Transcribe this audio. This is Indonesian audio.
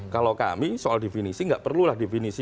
kalau kami soal definisi nggak perlulah definisi